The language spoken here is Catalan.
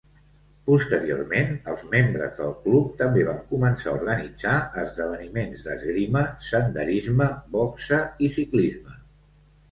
Posteriorment, els membres del club també van començar a organitzar esdeveniments d'esgrima, senderisme, boxa i ciclisme.